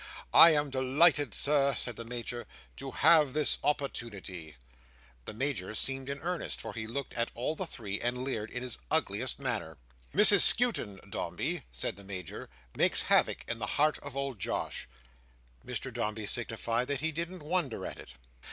"I am delighted, Sir," said the Major, "to have this opportunity." The Major seemed in earnest, for he looked at all the three, and leered in his ugliest manner. "Mrs Skewton, Dombey," said the Major, "makes havoc in the heart of old Josh." Mr Dombey signified that he didn't wonder at it.